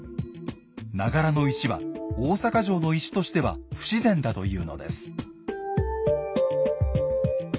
長柄の石は大坂城の石としては不自然だというのです。